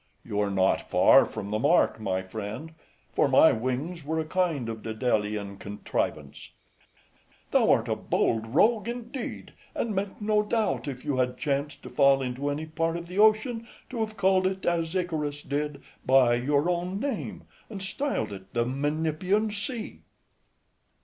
MENIPPUS. You are not far from the mark, my friend; for my wings were a kind of Daedalian contrivance. FRIEND. Thou art a bold rogue indeed, and meant no doubt, if you had chanced to fall into any part of the ocean, to have called it, as Icarus {157a} did, by your own name, and styled it the Menippean Sea.